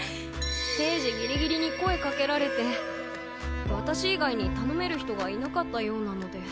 定時ギリギリに声かけられて私以外に頼める人がいなかったようなので。